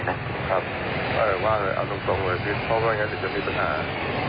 ครับถูกล่าว่าเอาตรงไว้ปริศเพราะตัวเองก็จะมีปัญหา